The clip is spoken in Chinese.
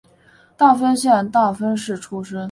大分县大分市出身。